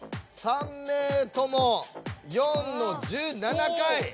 ３名とも４の１７回。